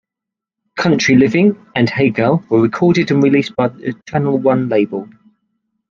"Country Living" and "Hey Girl" were recorded and released by the Channel One label.